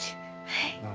はい。